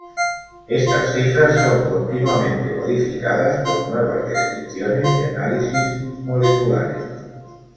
Estas cifras son continuamente modificadas por nuevas descripciones y análisis moleculares.